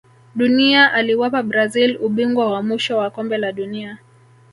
dunia aliwapa brazil ubingwa wa mwisho wa kombe la dunia